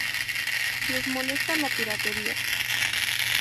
les molesta la piratería